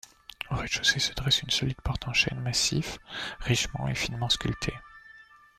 Au rez-de-chaussée, se dresse une solide porte en chêne massif richement et finement sculptée.